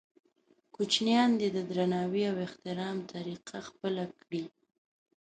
کوچنیان دې د درناوي او احترام طریقه خپله کړي.